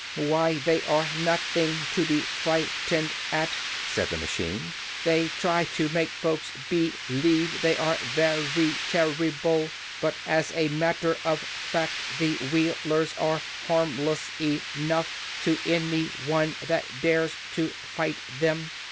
"Why, they are noth ing to be fright en'd at," said the machine. "They try to make folks be lieve that they are ver y ter ri ble, but as a mat ter of fact the Wheel ers are harm less e nough to an y one that dares to fight them.